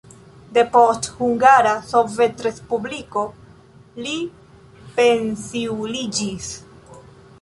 Depost Hungara Sovetrespubliko li pensiuliĝis.